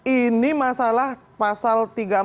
ini masalah pasal tiga ratus empat puluh